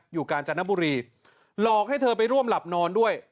กาญจนบุรีหลอกให้เธอไปร่วมหลับนอนด้วย